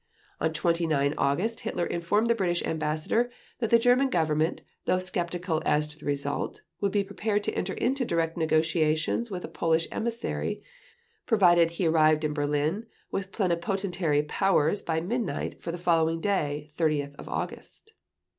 On 29 August Hitler informed the British Ambassador that the German Government, though skeptical as to the result, would be prepared to enter into direct negotiations with a Polish emissary, provided he arrived in Berlin with plenipotentiary powers by midnight for the following day, 30 August.